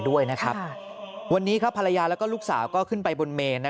ด้วยนะครับวันนี้ครับภรรยาแล้วก็ลูกสาวก็ขึ้นไปบนเมน